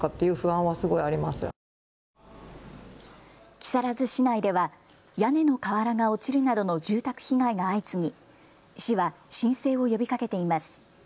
木更津市内では屋根の瓦が落ちるなどの住宅被害が相次ぎ市は申請を呼びかけています。